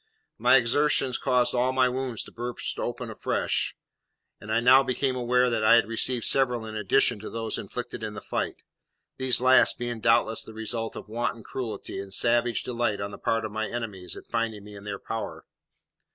My exertions caused all my wounds to burst open afresh, and I now became aware that I had received several in addition to those inflicted in the fight; these last being doubtless the result of wanton cruelty and savage delight on the part of my enemies at finding me in their power.